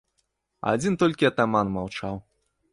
Адзін толькі атаман маўчаў.